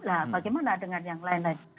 nah bagaimana dengan yang lain lain